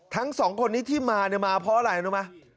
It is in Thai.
ทั้งสองคนนี้ที่มาเนี่ยมาเพราะอะไรรู้ไหม